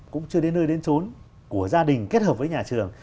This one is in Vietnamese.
cũng chưa đến nơi đến trốn của gia đình kết hợp với nhà trường